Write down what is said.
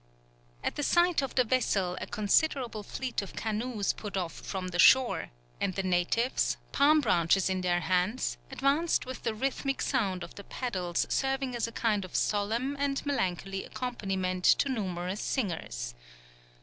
At the sight of the vessel a considerable fleet of canoes put off from the shore, and the natives, palm branches in their hands, advanced with the rhythmic sound of the paddles serving as a kind of solemn and melancholy accompaniment to numerous singers.